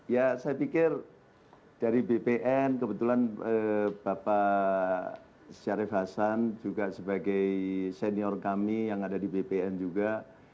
ya saya pikir dari bpn kebetulan bapak syarif hasan juga sebagai senior kami yang ada di bpn juga